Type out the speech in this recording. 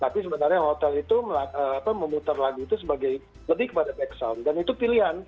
tapi sebenarnya hotel itu memutar lagu itu sebagai lebih kepada back sound dan itu pilihan